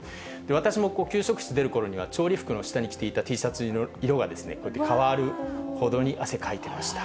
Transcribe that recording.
私も給食室出るころには、調理服の下に着ていたＴシャツの色がこうやって変わるほどに、汗かいてました。